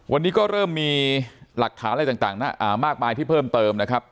วันนี้ก็เริ่มมีหลักฐานอะไรต่างมากมายที่เพิ่มเติมนะครับ